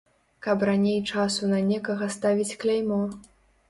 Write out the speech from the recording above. Каб раней часу на некага ставіць кляймо.